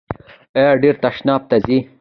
ایا ډیر تشناب ته ځئ؟